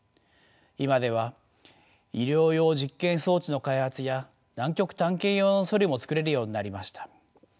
今では医療用実験装置の開発や南極探検用のソリも作れるようになりました。